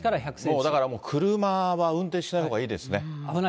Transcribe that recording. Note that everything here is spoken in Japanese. もうだからもう車は運転しないほうがいいですね。